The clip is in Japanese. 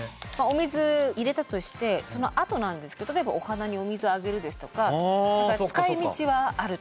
お水入れたとしてそのあとなんですけど例えばお花にお水あげるですとか使いみちはあると。